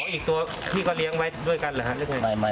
อ๋ออีกตัวที่ก็เลี้ยงไว้ด้วยกันหรือฮะ